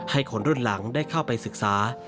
คนรุ่นหลังได้เข้าไปศึกษา